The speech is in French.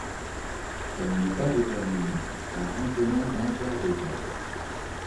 Elle n'est pas déterminée dans un peu moins d'un quart des cas.